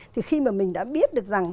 thì khi mà mình đã biết được rằng